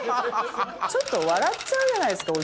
ちょっと笑っちゃうじゃないですか。